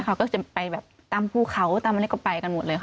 เขาก็จะไปแบบตามภูเขาตามอะไรก็ไปกันหมดเลยค่ะ